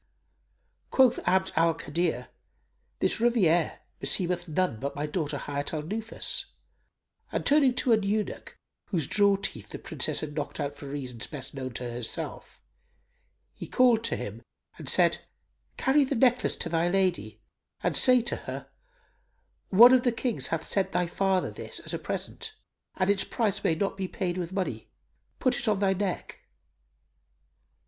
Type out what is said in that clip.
Quoth Abd al Kadir, "This rivière beseemeth none but my daughter Hayat al Nufus;" and, turning to an eunuch, whose jaw teeth the Princess had knocked out for reasons best known to herself,[FN#296] he called to him and said, "Carry the necklace to thy lady and say to her, 'One of the Kings hath sent thy father this, as a present, and its price may not be paid with money; put it on thy neck.